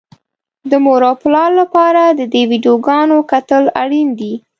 د مور او پلار لپاره د دې ويډيوګانو کتل اړين دي.